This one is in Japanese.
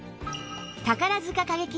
宝塚歌劇団